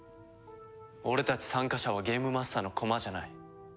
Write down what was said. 俺たち参加者はゲームマスターの駒じゃない。